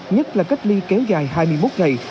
nhất là cách ly kéo dài hai mươi một ngày